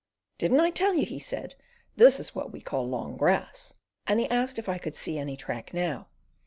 "Didn't I tell you?" he said. "This is what we call long grass"; and he asked if I could "see any track now."